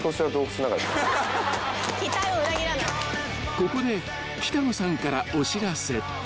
［ここで北乃さんからお知らせ］